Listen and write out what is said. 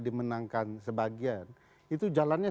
dimenangkan sebagian itu jalannya